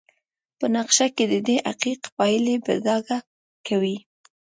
په نقشه کې ددې حقیق پایلې په ډاګه کوي.